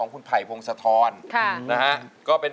เพลงที่เจ็ดเพลงที่แปดแล้วมันจะบีบหัวใจมากกว่านี้